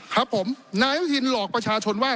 ครับผมนายอนุทินหลอกประชาชนว่า